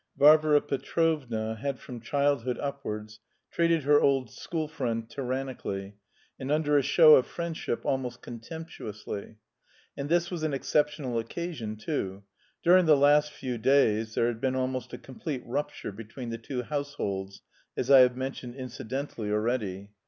Varvara Petrovna had from childhood upwards treated her old school friend tyrannically, and under a show of friendship almost contemptuously. And this was an exceptional occasion too. During the last few days there had almost been a complete rupture between the two households, as I have mentioned incidentally already.